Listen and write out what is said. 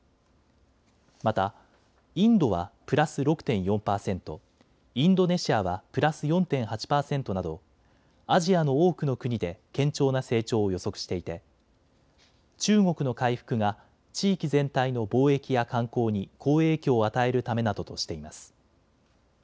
またインドはプラス６．４％、インドネシアはプラス４．８％などアジアの多くの国で堅調な成長を予測していて中国の回復が地域全体の貿易や観光に好影響を与えるためなどとしています。